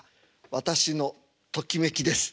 私のときめきです。